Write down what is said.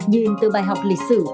nhìn từ bài học lịch sử